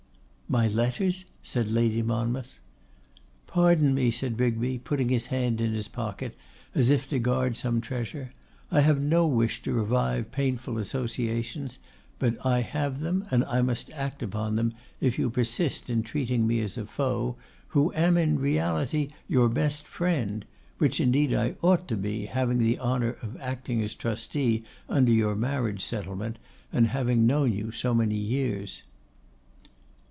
'My letters?' said Lady Monmouth. 'Pardon me,' said Rigby, putting his hand in his pocket, as if to guard some treasure, 'I have no wish to revive painful associations; but I have them, and I must act upon them, if you persist in treating me as a foe, who am in reality your best friend; which indeed I ought to be, having the honour of acting as trustee under your marriage settlement, and having known you so many years.